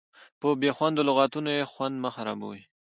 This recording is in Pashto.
په بې خوندو لغتونو یې خوند مه خرابوئ.